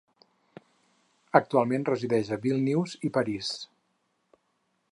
Actualment resideix a Vílnius i París.